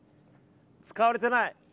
使われてない。